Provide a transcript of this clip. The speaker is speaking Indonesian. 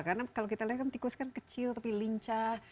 karena kalau kita lihat kan tikus kan kecil tapi lincah